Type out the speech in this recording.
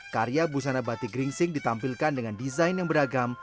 karya busana batik gringsing ditampilkan dengan desain yang beragam